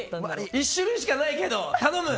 １種類しかないけど、頼む！